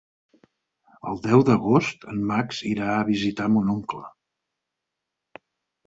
El deu d'agost en Max irà a visitar mon oncle.